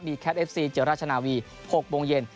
แคทเอฟซีเจอราชนาวี๖โมงเย็น